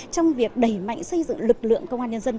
trong việc đẩy mạnh xây dựng lực lượng công an nhân dân